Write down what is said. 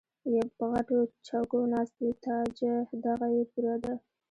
پۀ غټو چوکــــو ناست وي تاجه دغه یې پوره ده